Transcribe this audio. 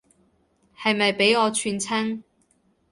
係咪畀我串親